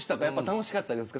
楽しかったですか。